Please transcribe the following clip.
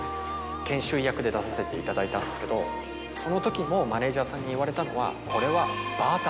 研修医役で出させていただいたんですけどそのときもマネージャーさんに言われたのは。